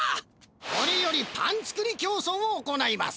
これよりパンつくり競走を行います！